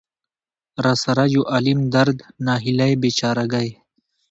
را سره يو عالم درد، ناهيلۍ ،بېچاره ګۍ.